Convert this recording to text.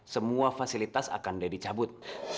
semua fasilitas akan dede cabut